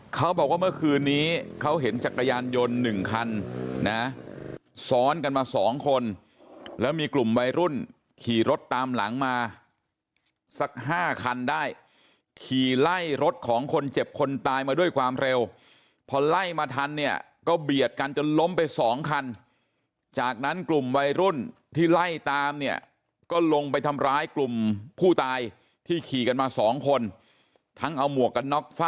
เขาบอกว่าเมื่อคืนนี้เขาเห็นจักรยานยนต์หนึ่งคันนะซ้อนกันมาสองคนแล้วมีกลุ่มวัยรุ่นขี่รถตามหลังมาสัก๕คันได้ขี่ไล่รถของคนเจ็บคนตายมาด้วยความเร็วพอไล่มาทันเนี่ยก็เบียดกันจนล้มไปสองคันจากนั้นกลุ่มวัยรุ่นที่ไล่ตามเนี่ยก็ลงไปทำร้ายกลุ่มผู้ตายที่ขี่กันมาสองคนทั้งเอาหมวกกันน็อก